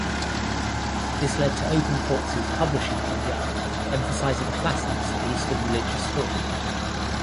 This led to Open Court's publishing program emphasizing classics of eastern religious thought.